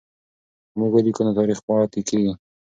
که موږ ولیکو نو تاریخ پاتې کېږي.